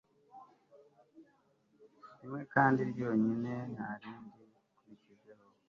rimwe kandi ryonyine ntarindi ukirikijeho